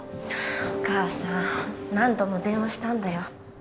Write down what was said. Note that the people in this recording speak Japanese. お母さん何度も電話したんだよ